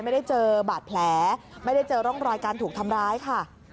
ไม่ได้เจอบาดแผลไม่ได้เจอร่องรอยการถูกทำร้ายค่ะ